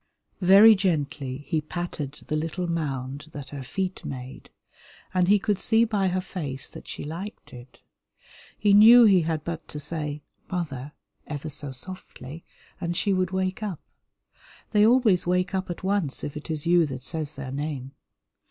Very gently he patted the little mound that her feet made, and he could see by her face that she liked it. He knew he had but to say "Mother" ever so softly, and she would wake up. They always wake up at once if it is you that says their name.